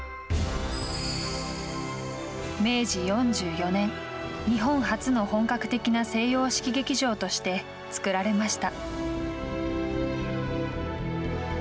明治４４年日本初の本格的な西洋式劇場として造られました。